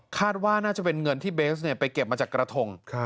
คาดว่าน่าจะเป็นเงินที่เบสไปเก็บมาจากกระทง